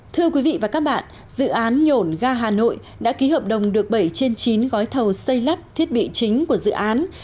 thưa quý vị và các bạn dự án nhổn ga hà nội đã ký hợp đồng được bảy trên chín gói thầu xây lắp thiết bị chính của dự án